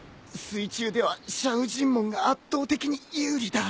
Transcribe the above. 水中ではシャウジンモンが圧倒的に有利だ。